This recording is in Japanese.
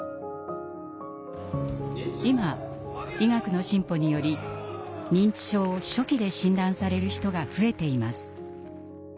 今医学の進歩により認知症を初期で診断される人が増えています。